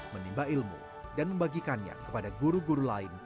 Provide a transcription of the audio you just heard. menimba ilmu dan membagikannya kepada guru guru lain